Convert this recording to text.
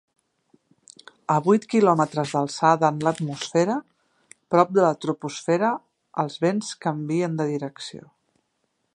A vuit quilòmetres d'alçada en l'atmosfera, prop de la troposfera, els vents canvien de direcció.